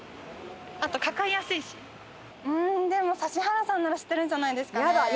あと抱えやすいし、指原さんなら知ってるんじゃないですかね？